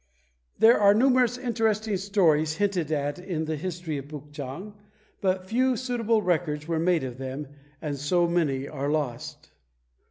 There are numerous interesting stories hinted at in the history of Puk chang, but few suitable records were made of them, and so many are lost.